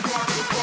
aku dulu ya